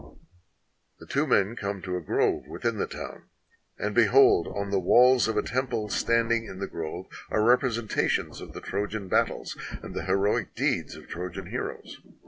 [The two men come to a grove within the town; and be hold, on the walls of a temple standing in the grove are rep resentations of the Trojan battles and the heroic deeds of Trojan heroes.